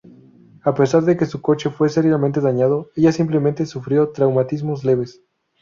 A pesar de que su coche fue seriamente dañado, ella simplemente sufrió traumatismos leves.